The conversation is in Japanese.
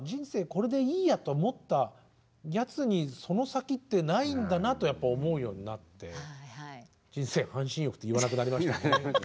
これでいいやと思ったやつにその先ってないんだなとやっぱ思うようになって「人生半身浴」って言わなくなりましたね。